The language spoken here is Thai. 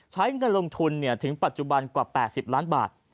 ใช้เงินลงทุนถึงปัจจุบันกว่า๘๐ล้านบาท